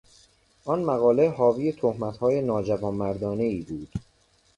آن مقاله حاوی تهمتهای ناجوانمردانهای بود.